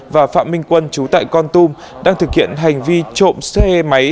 và phạm minh quân chú tại con tum đang thực hiện hành vi trộm xe máy